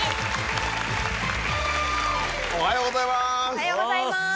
おはようございます！